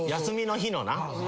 休みの日のな。